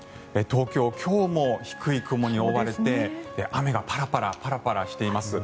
東京、今日も低い雲に覆われて雨がパラパラしています。